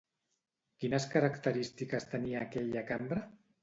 Quines característiques tenia aquella cambra?